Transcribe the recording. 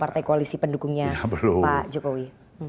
partai koalisi pendukungnya pak jokowi